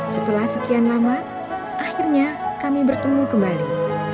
setelah sekian lama akhirnya kami bertemu kembali